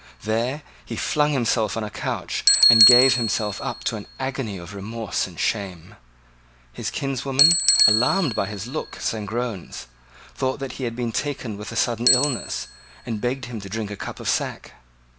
There he flung himself on a couch, and gave himself up to an agony of remorse and shame. His kinswoman, alarmed by his looks and groans, thought that he had been taken with sudden illness, and begged him to drink a cup of sack.